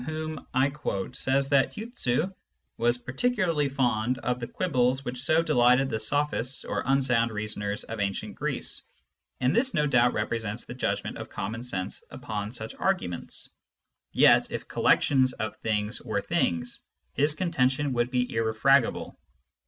147. Digitized by Google THE POSITIVE THEORY OF INFINITY 207 which so delighted the sophists or unsound reasoners of ancient Greece," and this no doubt represents the judg ment of common sense upon such arguments. Yet if collections of things were things, his contention wovdd be irrefragable.